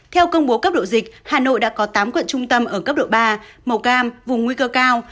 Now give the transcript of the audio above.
theo công bố cấp độ dịch hà nội đã có tám quận trung tâm ở cấp độ ba màu cam vùng nguy cơ cao